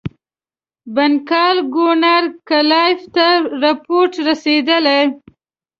بنکال ګورنر کلایف ته رپوټ رسېدلی.